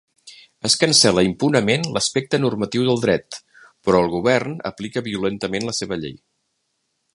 Es cancel·la impunement l’aspecte normatiu del dret, però el govern aplica violentament la seva llei.